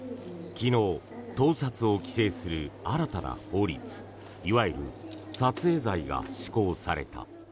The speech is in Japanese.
昨日盗撮を規制する新たな法律いわゆる撮影罪が施行された。